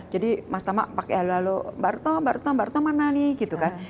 jadi mas tama pakai lalu lalu barto barto barto mana nih